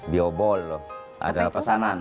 memilah dan membersihkan